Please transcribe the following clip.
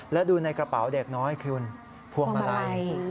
และดูในกระเป๋าเด็กน้อยคุณพวงมาลัย